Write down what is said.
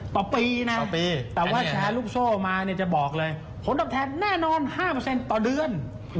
ต่อปีนะแต่ว่าแชลลูกโซ่มาเตรียมจะบอกเลยผลตอบแทนแน่นอน๕เปอร์เซนต์ต่อเดือน